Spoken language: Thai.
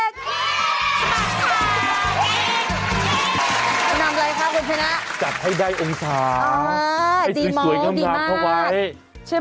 จะนำอะไรคะคุณชนะจัดให้ได้องศาให้สวยกำหนดเข้าไป